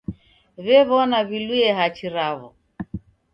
W'ew'ona w'iluye hachi raw'o.